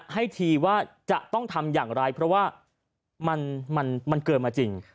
ให้ทีว่าจะต้องทำอย่างไรเพราะว่ามันเกินมาจริง